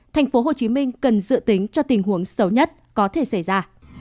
thành phố hồ chí minh cần dự tính cho tình huống xấu nhất có thể xảy ra